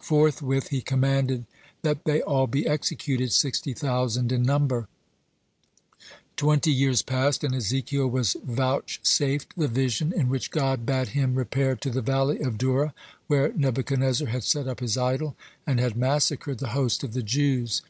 Forthwith he commanded that they all be executed, sixty thousand in number. Twenty years passed, and Ezekiel was vouchsafed the vision in which God bade him repair to the Valley of Dura, where Nebuchadnezzar had set up his idol, and had massacred the host of the Jews.